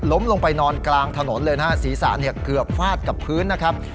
ลงไปนอนกลางถนนเลยนะฮะศีรษะเนี่ยเกือบฟาดกับพื้นนะครับ